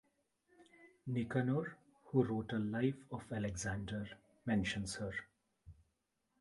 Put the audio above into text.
Nicanor, who wrote a life of Alexander, mentions her.